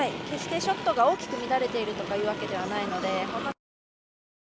決してショットが大きく乱れているというわけではないので。